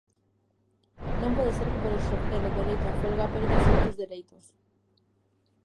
Non pode ser que por exercer o dereito á folga perdas outros dereitos.